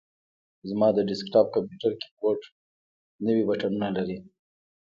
زما د ډیسک ټاپ کمپیوټر کیبورډ نوي بټنونه لري.